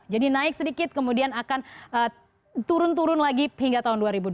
jadi naik sedikit kemudian akan turun turun lagi hingga tahun dua ribu dua puluh